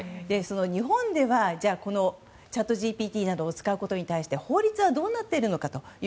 日本ではチャットＧＰＴなどを使うことに対して法律はどうなっているのか。